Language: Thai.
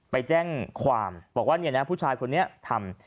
ไปแจ้งความบอกว่าเนี่ยนะผู้ชายคนนี้ทำ